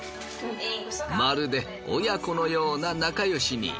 まるで親子のような仲よしに。